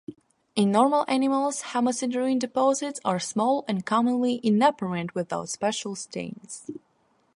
In normal animals, hemosiderin deposits are small and commonly inapparent without special stains.